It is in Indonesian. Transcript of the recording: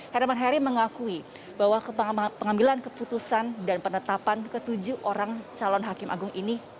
herman heri mengakui bahwa pengambilan keputusan dan penetapan ketujuh orang calon hakim agung ini